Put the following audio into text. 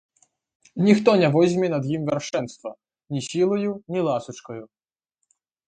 Ніхто не возьме над ім вяршэнства ні сілаю, ні ласачкаю.